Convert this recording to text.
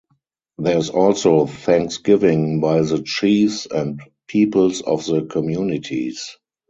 There is also thanksgiving by the chiefs and peoples of the communities.